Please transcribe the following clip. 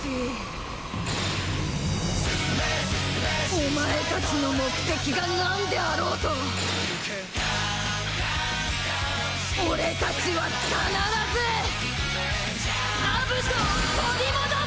お前たちの目的が何であろうと俺たちは必ずアブトを取り戻す！